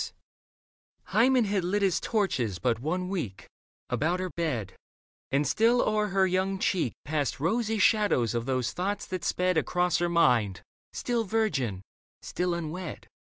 Leda Hymen had lit his torches but one week About her bed (and still o'er her young cheek Passed rosy shadows of those thoughts that sped Across her mind, still virgin, still unwed.